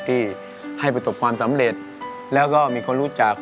ที่ให้ประสบความสำเร็จแล้วก็มีคนรู้จัก